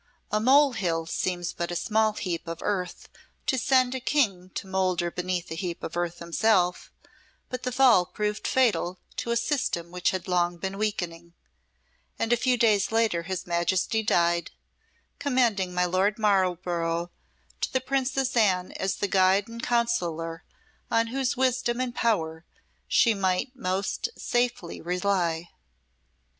A mole hill seems but a small heap of earth to send a King to moulder beneath a heap of earth himself, but the fall proved fatal to a system which had long been weakening, and a few days later his Majesty died, commending my Lord Marlborough to the Princess Anne as the guide and counsellor on whose wisdom and power she might most safely rely.